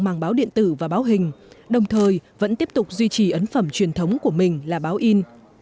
màng báo điện tử và báo hình đồng thời vẫn tiếp tục duy trì ấn phẩm truyền thống của mình là báo in